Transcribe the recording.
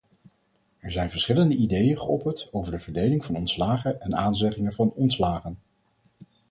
Er zijn verschillende ideeën geopperd over de verdeling van ontslagen en aanzeggingen van ontslagen.